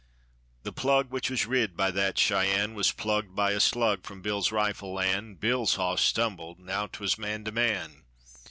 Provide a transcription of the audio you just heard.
The plug which was rid by that Cheyenne Was plugged by a slug from Bill's rifle, an' Bill's hoss stumbled now 'twas man to man!